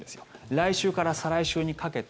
来週から再来週にかけて。